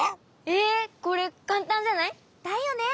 ええ！これかんたんじゃない？だよね！